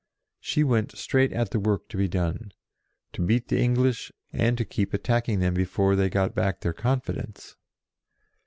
She went straight at the work to be done to beat the English, and to keep attacking them before they got back their confidence.